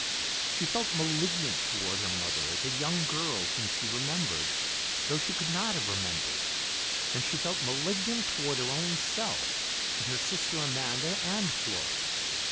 She felt malignant toward her mother as a young girl whom she remembered, though she could not have remembered, and she felt malignant toward her own self, and her sister Amanda, and Flora.